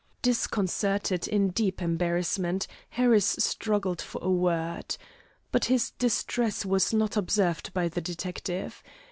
Disconcerted, in deep embarrassment, Harris struggled for a word. But his distress was not observed by the detective.